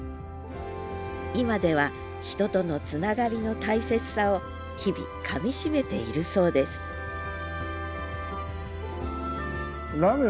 今では人とのつながりの大切さを日々かみしめているそうですありがとうございました。